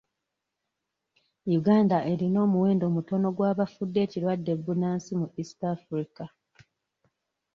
Uganda erina omuwendo mutono ogw'abafudde ekirwadde bbunansi mu East Africa.